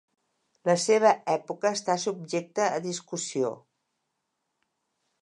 La seva època està subjecta a discussió.